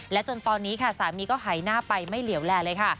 จนตอนนี้ค่ะสามีก็หายหน้าไปไม่เหลี่ยวแลเลยค่ะ